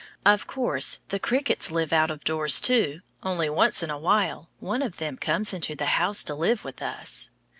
Of course the crickets live out of doors, too, only once in a while one of them comes into the house to live with us.